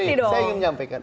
putri saya ingin menyampaikan